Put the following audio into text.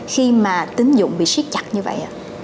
khi mà tín dụng bị siết chặt như vậy ạ